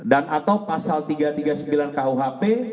dan atau pasal tiga ratus tiga puluh sembilan kwp